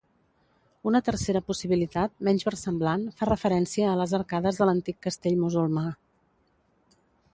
Una tercera possibilitat, menys versemblant, fa referència a les arcades de l'antic castell musulmà.